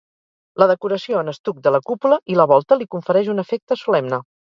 La decoració en estuc de la cúpula i la volta li confereix un efecte solemne.